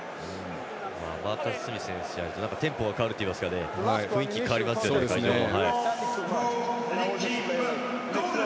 マーカス・スミス選手が入るとテンポが変わるといいますか雰囲気が変わりますね、会場の。